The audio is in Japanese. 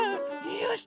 よし！